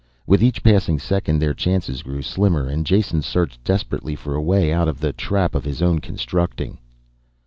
With each passing second their chances grew slimmer and Jason searched desperately for a way out of the trap of his own constructing.